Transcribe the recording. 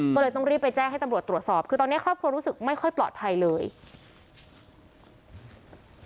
ก็เลยต้องรีบไปแจ้งให้ตำรวจตรวจสอบคือตอนนี้ครอบครัวรู้สึกไม่ค่อยปลอดภัยเลย